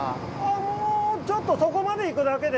もうちょっとそこまで行くだけで。